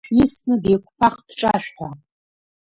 Шәисны, деиқәԥах дҿашәҳәа!